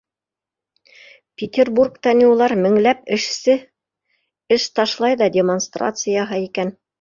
Петербургта ни улар меңләп эшсе:эш ташлай ҙа демонстрация яһай икән.